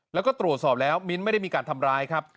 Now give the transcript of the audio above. แล้วก็ตรวจสอบแล้วมิ้นท์ไม่ได้มีการทำร้ายครับ